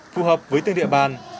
phù hợp với tương địa bàn